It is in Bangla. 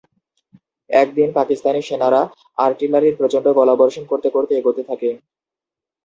একদিন পাকিস্তানি সেনারা আর্টিলারির প্রচণ্ড গোলাবর্ষণ করতে করতে এগোতে থাকে।